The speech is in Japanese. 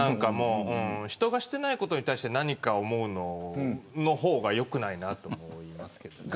人がしていないことに対して何か思う方がよくないなと思いますけどね。